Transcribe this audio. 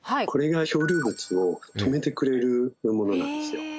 これが漂流物を止めてくれるというものなんですよ。